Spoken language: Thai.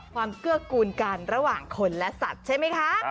เกื้อกูลกันระหว่างคนและสัตว์ใช่ไหมคะ